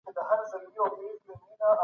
ستا پرېکړې زما د پرمختګ لامل شوې.